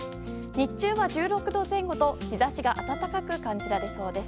日中は１６度前後と日差しが暖かく感じられそうです。